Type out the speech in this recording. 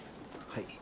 はい。